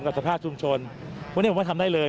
สภาพชุมชนวันนี้ผมว่าทำได้เลย